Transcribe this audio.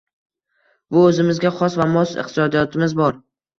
Bu oʻzimizga xos va mos iqtisodiyotimiz bor.